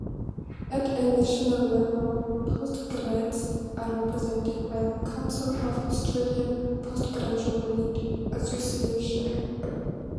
At a national level, postgrads are represented by the Council of Australian Postgraduate Associations.